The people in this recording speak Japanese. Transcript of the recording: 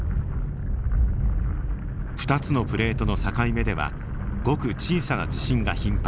２つのプレートの境目ではごく小さな地震が頻発。